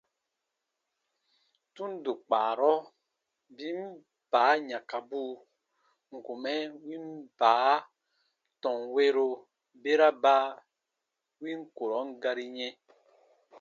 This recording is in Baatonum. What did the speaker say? Tundo kpaarɔ, biin baa yãkabuu n kùn mɛ win baa tɔnwero bera ba win kurɔn gari yɛ̃,